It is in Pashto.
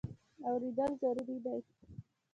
اورېدل ضروري دی.